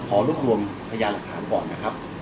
ขอรวบรวมพยานหลักฐานก่อนนะครับ